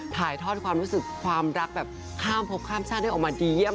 ถ่ายทอดความรักข้ามพบข้ามชาติได้ออกมาดีเยี่ยม